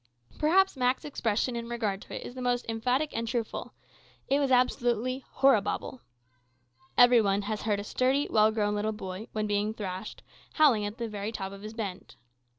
Perhaps Mak's expression in regard to it is the most emphatic and truthful: it was absolutely "horriboble!" Every one has heard a sturdy, well grown little boy, when being thrashed, howling at the very top of his bent.